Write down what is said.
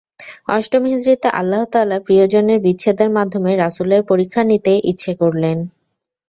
অষ্টম হিজরীতে আল্লাহ তাআলা প্রিয়জনের বিচ্ছেদের মাধ্যমে রাসূলের পরীক্ষা নিতে ইচ্ছে করলেন।